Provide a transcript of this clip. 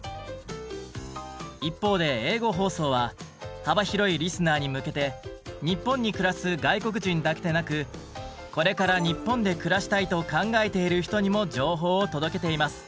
一方で英語放送は幅広いリスナーに向けて日本に暮らす外国人だけでなく「これから日本で暮らしたいと考えている人」にも情報を届けています。